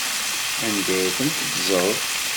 Anda ay ten-teddzeḍ?